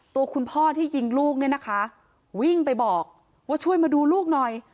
ตัวคุณพ่อที่ยิงลูกเนี่ยนะคะวิ่งไปบอกว่าช่วยมาดูลูกหน่อย